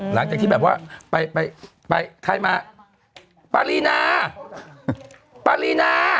หลังจากที่แบบว่าไปไปใครมาปารีนาปารีนา